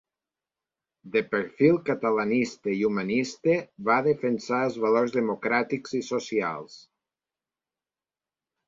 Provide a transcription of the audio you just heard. De perfil catalanista i humanista, va defensar els valors democràtics i socials.